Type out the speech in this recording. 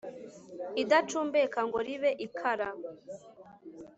Idacumbeka ngo ribe ikara